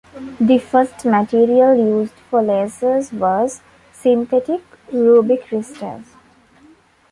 The first material used for lasers was synthetic ruby crystals.